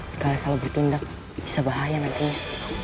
sekali selalu bertindak bisa bahaya nantinya